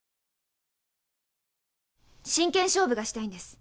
真剣勝負がしたいんです。